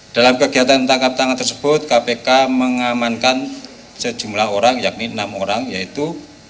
dalam kegiatan tangkap tangan tersebut kpk mengamankan sejumlah orang yakni enam orang yaitu